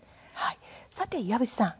さて、岩渕さん